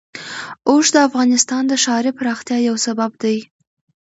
اوښ د افغانستان د ښاري پراختیا یو سبب دی.